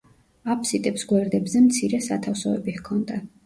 აფსიდებს გვერდებზე მცირე სათავსოები ჰქონდა.